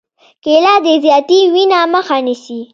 کېله د زیاتې وینې مخه نیسي.